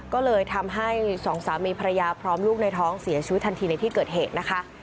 ก็เลยทำให้สองสามีภรรยาพร้อมลูกในท้องเสียชีวิตทันทีในที่เกิดเหตุนะคะ